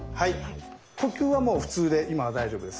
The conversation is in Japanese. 呼吸はもう普通で今は大丈夫です。